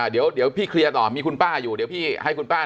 เดี๋ยวพี่เคลียร์ต่อมีคุณป้าอยู่เดี๋ยวพี่ให้คุณป้า